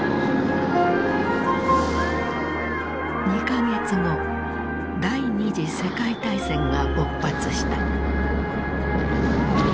２か月後第二次世界大戦が勃発した。